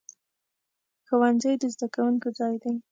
ښوونځی د زده کوونکو ځای دی.